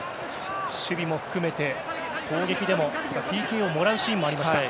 守備も含めて、攻撃でもＰＫをもらうシーンもありました。